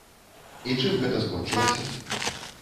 І чым гэта скончылася?